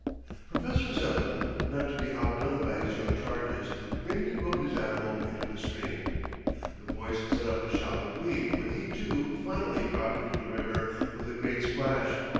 Professor Zepplin, not to be outdone by his young charges, bravely rode his animal into the stream. The boys set up a shout of glee when he, too, finally dropped into the river with a great splash.